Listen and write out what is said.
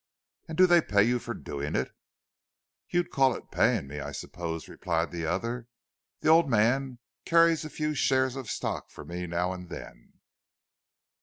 "And do they pay you for doing it?" "You'd call it paying me, I suppose," replied the other. "The old man carries a few shares of stock for me now and then."